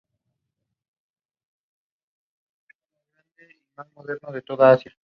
El hilo común que unía estas dispares publicaciones religiosas era la tolerancia religiosa.